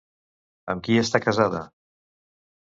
Amb qui està casada?